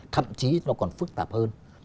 thậm chí nó còn phức tạp hơn